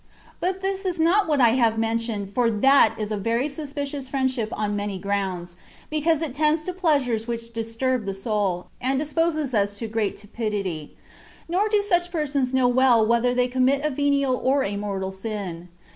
But this is not what I have now mentioned^ for that is a very suspicious friendship on many grounds, because it tends to pleasures which dis turb the soul, and disposes us to great tepidity ; nor do such persons know well whether they com mit a venial or a mortal sin.